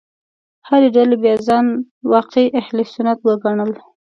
هرې ډلې بیا ځان واقعي اهل سنت وګڼل.